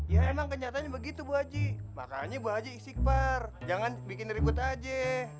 ya emang kenyataannya begitu bu aji makanya bu aji istighfar jangan bikin ribut aja